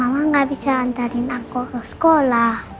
mama gak bisa antarin aku ke sekolah